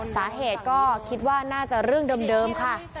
สาเหตุก็คิดว่าน่าจะเรื่องเดิมค่ะ